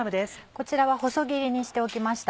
こちらは細切りにしておきました。